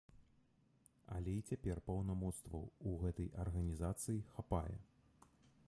Але і цяпер паўнамоцтваў у гэтай арганізацыі хапае.